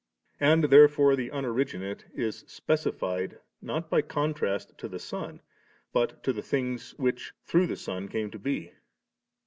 And therefore the Unoriginate is speci fied not by contrast to the Son, but to the things which through the Son come to be.